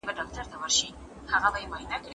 د کمزورو خلګو مالونه مه اخلئ.